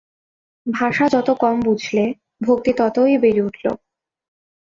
ভাষা যত কম বুঝলে, ভক্তি ততই বেড়ে উঠল।